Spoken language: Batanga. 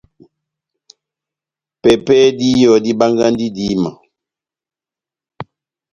Pɛpɛhɛ díyɔ, dibangahi idíma.